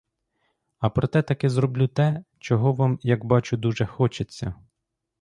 А проте таки зроблю те, чого вам, як бачу, дуже хочеться.